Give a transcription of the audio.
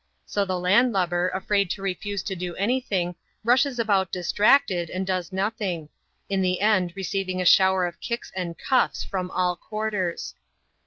So the land lubber, afiraid to refuse to do any thing, rushes about distracted, and does nothing : in the end receiving a shower of kicks and cuffs from all quarters.